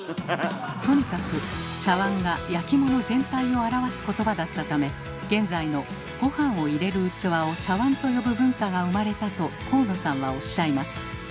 とにかく「茶わん」が焼き物全体を表す言葉だったため現在のごはんを入れる器を「茶わん」と呼ぶ文化が生まれたと河野さんはおっしゃいます。